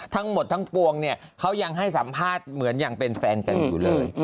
ทั้งหมดทั้งปวงเนี่ยเขายังให้สัมภาษณ์เหมือนยังเป็นแฟนกันอยู่เลย